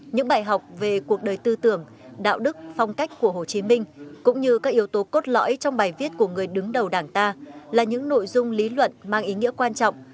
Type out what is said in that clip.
những bài học về cuộc đời tư tưởng đạo đức phong cách của hồ chí minh cũng như các yếu tố cốt lõi trong bài viết của người đứng đầu đảng ta là những nội dung lý luận mang ý nghĩa quan trọng